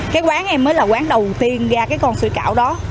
cái quán em mới là quán đầu tiên ra cái con sủi cảo đó